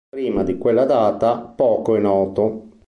Prima di quella data poco è noto.